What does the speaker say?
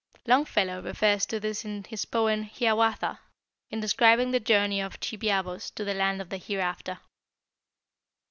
Longfellow refers to this in his poem 'Hiawatha,' in describing the journey of Chibiabos to the land of the hereafter.